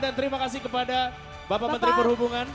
dan terima kasih kepada bapak menteri perhubungan